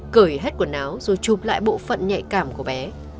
cởi hết quần áo rồi chụp lại bộ phận nhạy cảm của bé